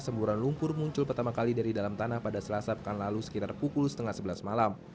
semburan lumpur muncul pertama kali dari dalam tanah pada selasa pekan lalu sekitar pukul setengah sebelas malam